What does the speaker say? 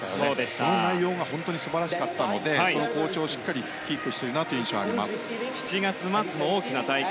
その内容が本当に素晴らしかったのでその好調をしっかりキープしているなという７月末の大きな大会